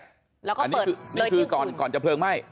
อันนี้นี่คือก่อนจะเพลิงไหม้